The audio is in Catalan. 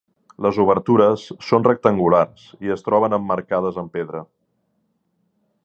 Les obertures són rectangulars i es troben emmarcades en pedra.